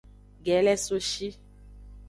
Gelesoshi.